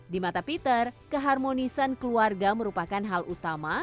di mata peter keharmonisan keluarga merupakan hal utama